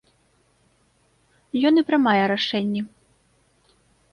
Ён і прымае рашэнні.